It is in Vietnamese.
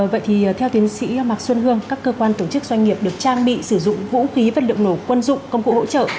vậy thì theo tiến sĩ mạc xuân hương các cơ quan tổ chức doanh nghiệp được trang bị sử dụng vũ khí vật liệu nổ quân dụng công cụ hỗ trợ